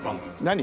何？